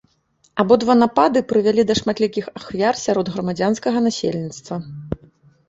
Абодва напады прывялі да шматлікіх ахвяр сярод грамадзянскага насельніцтва.